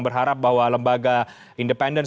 berharap bahwa lembaga independen